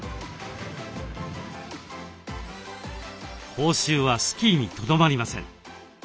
講習はスキーにとどまりません。